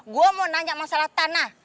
gue mau nanya masalah tanah